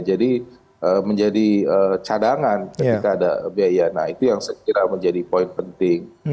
jadi menjadi cadangan ketika ada biaya nah itu yang saya kira menjadi poin penting